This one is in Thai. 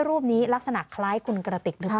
รูปนี้ลักษณะคล้ายคุณกระติกนึกได้